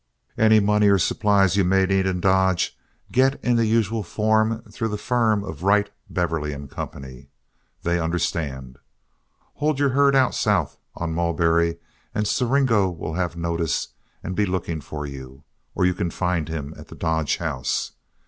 Any money or supplies you may need in Dodge, get in the usual form through the firm of Wright, Beverly & Co. they understand. Hold your herd out south on Mulberry, and Siringo will have notice and be looking for you, or you can find him at the Dodge House.